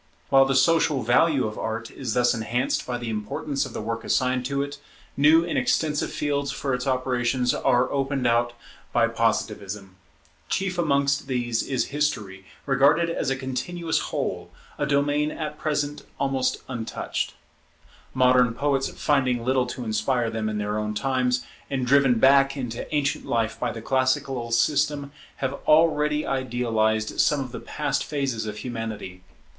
While the social value of Art is thus enhanced by the importance of the work assigned to it, new and extensive fields for its operations are opened out by Positivism. Chief amongst these is History, regarded as a continuous whole; a domain at present almost untouched. [Idealization of historical types] Modern poets, finding little to inspire them in their own times, and driven back into ancient life by the classical system, have already idealized some of the past phases of Humanity.